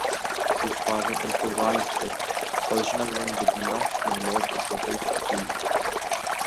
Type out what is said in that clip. This was an improvised recipe; the original one did not involve bottled chilli sauce.